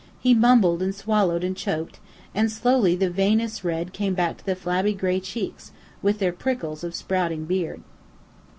He mumbled and swallowed and choked; and slowly the veinous red came back to the flabby gray cheeks, with their prickles of sprouting beard.